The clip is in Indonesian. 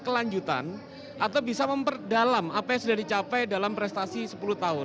kelanjutan atau bisa memperdalam apa yang sudah dicapai dalam prestasi sepuluh tahun